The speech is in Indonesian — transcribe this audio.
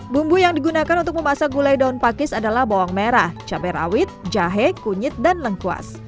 bumbu yang digunakan untuk memasak gulai daun pakis adalah bawang merah cabai rawit jahe kunyit dan lengkuas